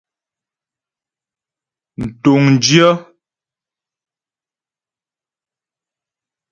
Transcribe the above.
Mtuŋdyə́.